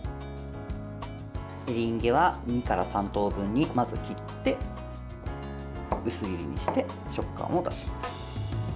エリンギは２から３等分に、まず切って薄切りにして食感を出します。